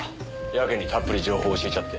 やけにたっぷり情報教えちゃって。